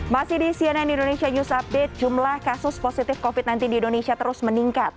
masih di cnn indonesia news update jumlah kasus positif covid sembilan belas di indonesia terus meningkat